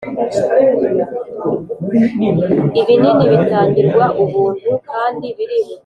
Ibinini bitangirwa Ubuntu kandi birihuta cyane